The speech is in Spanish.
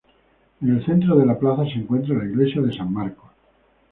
En el centro de la plaza se encuentra la Iglesia de San Marcos.